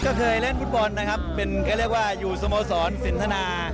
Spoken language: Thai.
ก็เคยเล่นฟุตบอลนะครับเป็นก็เรียกว่าอยู่สโมสรสินทนา